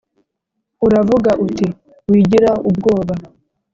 uravuga uti «Wigira ubwoba!